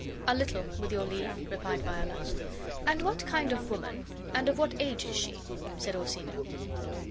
"A little, with your leave," replied Viola. "And what kind of woman, and of what age is she?" said Orsino.